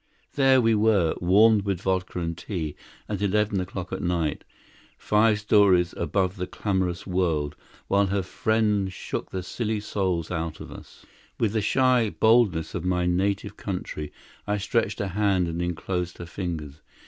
There we were, warmed with vodka and tea, at eleven o'clock at night, five stories above the clamorous world, while her friend shook the silly souls out of us. With the shy boldness of my native country, I stretched a hand and inclosed her fingers.